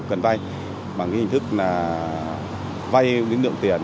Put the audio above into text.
cần vay bằng hình thức vay nguyên lượng tiền